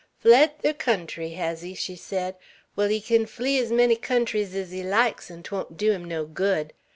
"Fled ther country, hez he?" she said. "Wall, he kin flee ez many countries ez he likes, an' 't won't dew him no good.